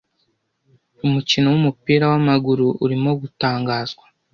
Umukino wumupira wamaguru urimo gutangazwa.